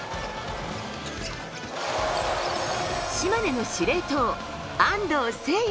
島根の司令塔・安藤誓哉。